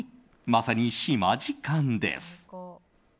まさに島時間です。